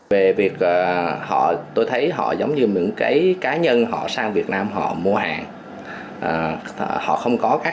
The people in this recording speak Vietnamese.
về việc tôi thấy họ giống như những cái cá nhân họ sang việt nam họ mua hàng họ không có các